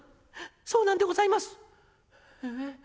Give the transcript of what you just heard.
そうなんでございます。